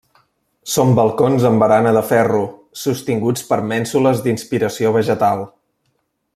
Són balcons amb barana de ferro, sostinguts per mènsules d'inspiració vegetal.